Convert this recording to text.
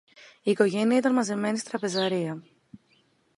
Η οικογένεια ήταν μαζεμένη στην τραπεζαρία